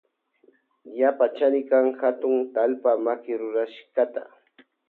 Yapa chanikan hatun talpa makirurashkata.